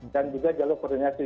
dan juga jalur koordinasi